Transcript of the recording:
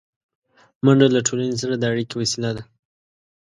منډه له ټولنې سره د اړیکې وسیله ده